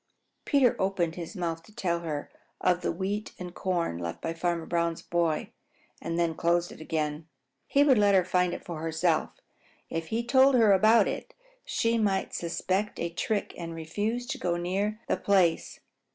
Peter opened his mouth to tell her of the wheat and corn left by Farmer Brown's boy and then closed it again. He would let her find it for herself. If he told her about it, she might suspect a trick and refuse to go near the place.